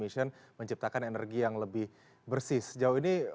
sangat besar ini